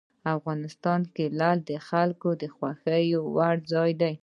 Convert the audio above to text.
افغانستان کې لعل د خلکو د خوښې وړ ځای دی.